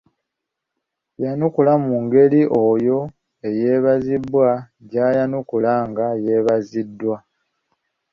Yanukula mu ngeri oyo eyeebazibwa gyayanukula nga yeebaziddwa.